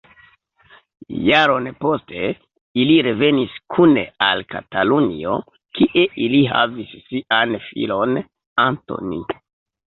Jaron poste ili revenis kune al Katalunio, kie ili havis sian filon Antoni.